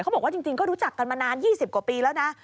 บอกว่าจริงก็รู้จักกันมานาน๒๐กว่าปีแล้วนะ